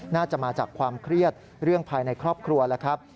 น่าจะมาจากความเครียดเรื่องภายในครอบครัวแล้วครับ